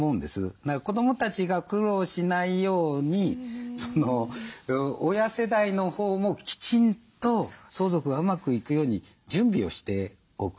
だから子どもたちが苦労しないように親世代のほうもきちんと相続がうまくいくように準備をしておく。